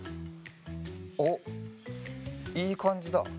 おっいいかんじだ。